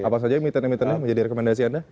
apa saja emiten emitennya menjadi rekomendasi anda